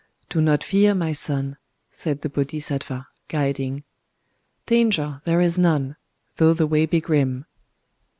"Do not fear, my son," said the Bodhisattva, guiding: "danger there is none, though the way be grim."